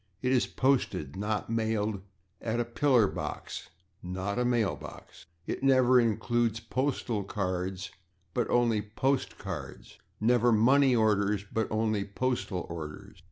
It is /posted/, not /mailed/, at a /pillar box/, not at a /mail box/. It never includes /postal cards/, but only /post cards/; never /money orders/, but only /postal orders